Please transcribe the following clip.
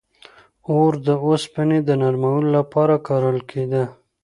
• اور د اوسپنې د نرمولو لپاره کارول کېده.